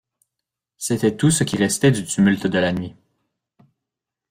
C’était tout ce qui restait du tumulte de la nuit.